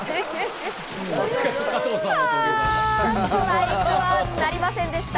ストライクなりませんでした。